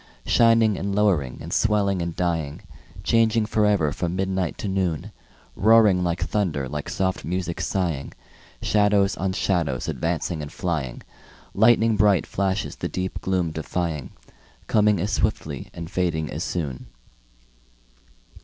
Shining and lowering and swelling and dying, Changing forever from midnight to noon; Roaring like thunder, like soft music sighing, Shadows on shadows advancing and flying, Lighning bright flashes the deep gloom defying, Coming as swiftly and fading as soon.